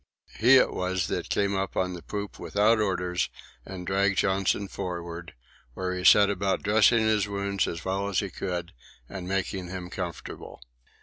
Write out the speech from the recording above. He it was that came up on the poop without orders and dragged Johnson forward, where he set about dressing his wounds as well as he could and making him comfortable.